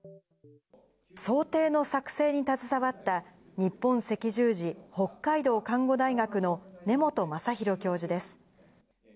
想定の作成に携わった、日本赤十字北海道看護大学の根本昌宏教授です。